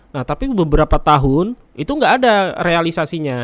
nah tapi beberapa tahun itu nggak ada realisasinya